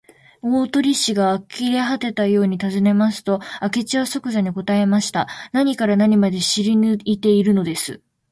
大鳥氏があきれはてたようにたずねますと、明智はそくざに答えました。何から何まで知りぬいているのです。